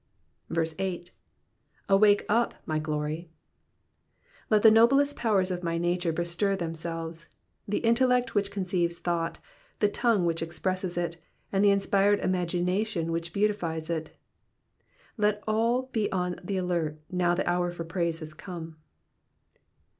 '' 8. ^^AwaJce upy my ghry,''^ Let the noblest powers of my nature bestir them selves : the intellect which conceives thought, the tongue which expresses it, and the inspired imagination which beautifies it — let all be on the alert now that the hour for praise has come.